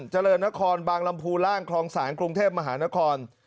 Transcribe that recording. เจริญนครบางลำพูล่างคลองศาลกรุงเทพมหานคร